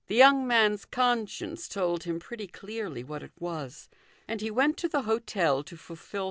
young man's conscience told him pretty clearly what it was, arid he went to the hotel to fulfil "JACK."